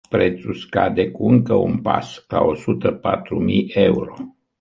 Prețul scade cu încă un pas, la o sută patru mii euro.